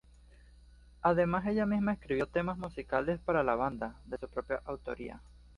Además ella misma escribió temas musicales para la banda, de su propia autoría.